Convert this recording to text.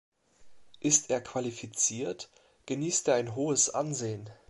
Ist er qualifiziert, genießt er ein hohes Ansehen.